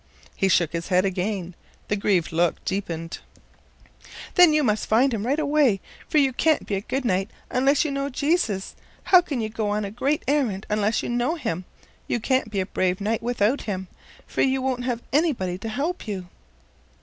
He shook his head again. The grieved look deepened. "Then you must find him right away, for you can't be a good knight unless you know Jesus. How can you go on a great errand unless you know him? You can't be a brave knight without him, for you won't have anybody to help you."